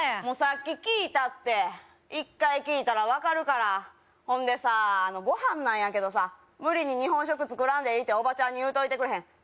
もうさっき聞いたって１回聞いたら分かるからほんでさあのご飯なんやけどさ無理に日本食作らんでいいっておばちゃんに言うといてくれへん